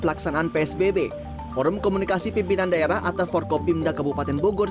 pelaksanaan psbb forum komunikasi pimpinan daerah atau forkopimda kabupaten bogor